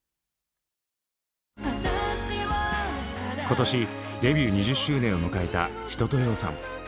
今年デビュー２０周年を迎えた一青窈さん。